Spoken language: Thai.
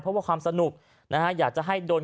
เพราะว่าความสนุกนะฮะอยากจะให้โดน